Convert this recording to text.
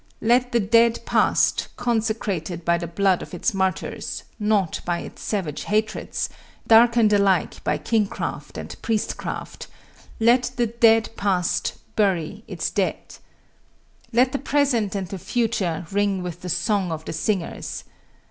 Let the dead past, consecrated by the blood of its martyrs, not by its savage hatreds, darkened alike by kingcraft and priestcraft let the dead past bury its dead. Let the present and the future ring with the song of the singers.